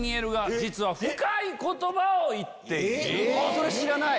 それ知らない！